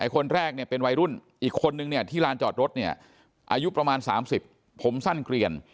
คนแรกเป็นวัยรุ่นอีกคนนึงที่ร้านจอดรถอายุประมาณ๓๐ผมสั้นเกลียน